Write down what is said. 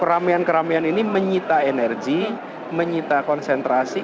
keramaian keramaian ini menyita energi menyita konsentrasi